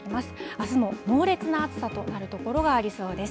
あすも猛烈な暑さとなる所がありそうです。